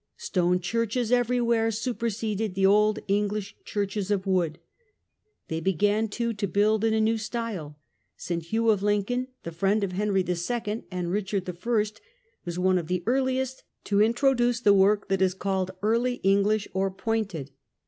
Stone churches everywhere super seded the old English churches of wood. They began, too, to be built in a new style. S. Hugh of Lincoln, the friend of Henry II. and Richard I., was one of the earliest to introduce the work that is called Early English or pointed.